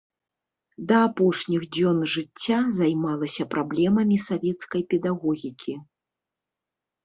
Да апошніх дзён жыцця займалася праблемамі савецкай педагогікі.